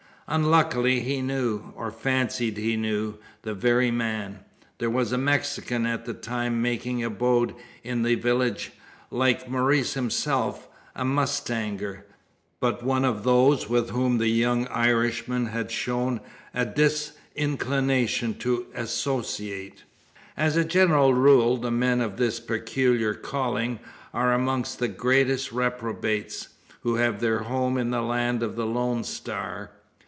Unluckily he knew, or fancied he knew, the very man. There was a Mexican at the time making abode in the village like Maurice himself a mustanger; but one of those with whom the young Irishman had shown a disinclination to associate. As a general rule, the men of this peculiar calling are amongst the greatest reprobates, who have their home in the land of the "Lone Star."